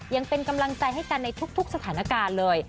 ยังเป็นกำลังใจให้กันในทุกสถานการณ์เลย